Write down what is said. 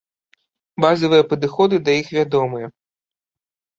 Базавыя падыходы да іх вядомыя.